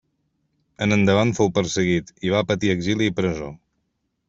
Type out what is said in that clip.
En endavant fou perseguit, i va patir exili i presó.